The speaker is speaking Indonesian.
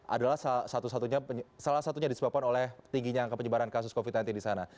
adalah salah satunya disebabkan oleh tingginya angka penyebaran kasus covid sembilan belas di sana